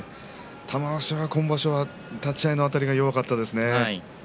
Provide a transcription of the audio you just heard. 玉鷲は今場所は立ち合いのあたりが弱かったですね。